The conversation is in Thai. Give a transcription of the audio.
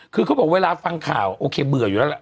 คือเขาบอกเวลาฟังข่าวโอเคเบื่ออยู่แล้วล่ะ